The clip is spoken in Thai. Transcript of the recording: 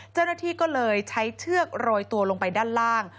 เจ้าหน้าที่ก็เลยใช้เชือกโรยตัวลงไปด้านล่าง